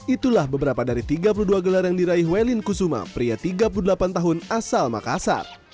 itulah beberapa dari tiga puluh dua gelar yang diraih welin kusuma pria tiga puluh delapan tahun asal makassar